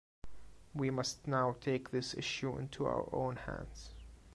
We must now take this issue into our own hands!